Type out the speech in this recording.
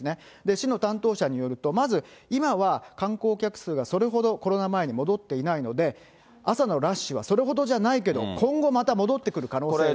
市の担当者によると、まず今は、観光客数がそれほどコロナ前に戻っていないので、朝のラッシュはそれほどじゃないけど、今後また戻ってくる可能性がある。